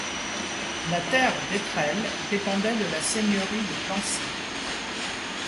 La terre d'Étrelles dépendait de la seigneurie de Plancy.